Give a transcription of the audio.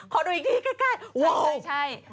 ขอดูอีกทีแค่ว้าว